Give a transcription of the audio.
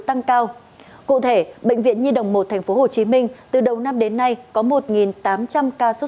tăng cao cụ thể bệnh viện nhi đồng một thành phố hồ chí minh từ đầu năm đến nay có một tám trăm linh ca sốt